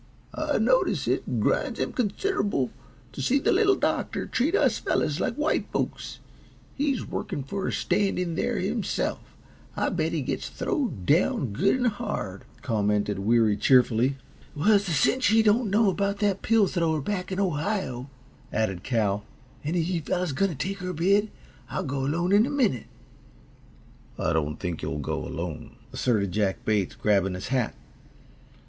"I notice it grinds him consider'ble to see the Little Doctor treat us fellows like white folks. He's workin' for a stand in there himself. I bet he gets throwed down good and hard," commented Weary, cheerfully. "It's a cinch he don't know about that pill thrower back in Ohio," added Cal. "Any of you fellows going to take her bid? I'll go alone, in a minute." "I don't think you'll go alone," asserted Jack Bates, grabbing his hat.